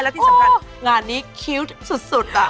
และที่สำคัญงานนี้คิ้วสุด